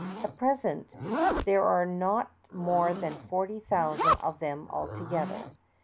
At present there are not more than forty thousand of them altogether.